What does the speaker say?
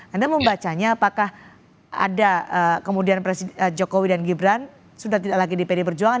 anda membacanya apakah ada kemudian presiden jokowi dan gibran sudah tidak lagi di pd perjuangan